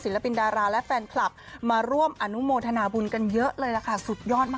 ปินดาราและแฟนคลับมาร่วมอนุโมทนาบุญกันเยอะเลยล่ะค่ะสุดยอดมาก